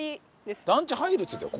団地入るって言ってたよ。